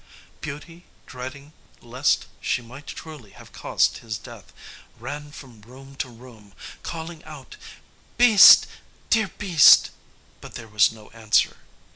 Beauty, dreading lest she might truly have caused his death, ran from room to room, calling out, "Beast, dear beast!" but there was no answer.